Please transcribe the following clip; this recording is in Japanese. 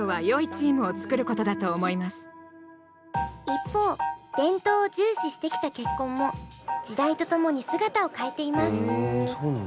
一方伝統を重視してきた結婚も時代とともに姿を変えています。